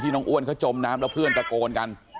น้องอ้วนเขาจมน้ำแล้วเพื่อนตะโกนกัน